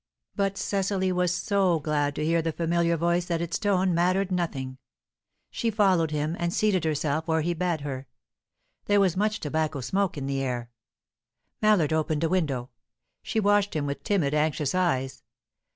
But Cecily was so glad to hear the familiar voice that its tone mattered nothing; she followed him, and seated herself where he bade her. There was much tobacco smoke in the air; Mallard opened a window. She watched him with timid, anxious eyes.